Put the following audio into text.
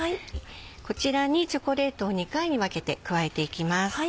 こちらにチョコレートを２回に分けて加えていきます。